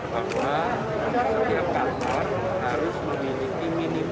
bahwa setiap kantor harus memiliki minimal dua shift